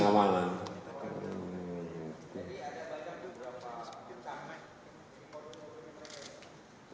gajah nguling ada apa lagi